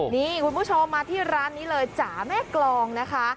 นี่คุณผู้ชมมาที่ร้านนี้เลยจ๋าแม่กรองนะคะ